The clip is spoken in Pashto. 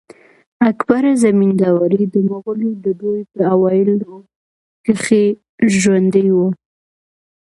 اکبر زمینداوری د مغلو د دوې په اوایلو کښي ژوندی وو.